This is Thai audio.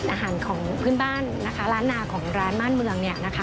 อาหารของพื้นบ้านร้านหนาของร้านม่านเมือง